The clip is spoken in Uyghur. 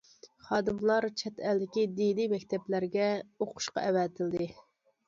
خادىملار چەت ئەلدىكى دىنىي مەكتەپلەرگە ئوقۇشقا ئەۋەتىلدى.